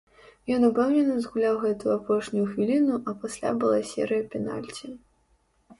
Ён упэўнена згуляў гэтую апошнюю хвіліну, а пасля была серыя пенальці.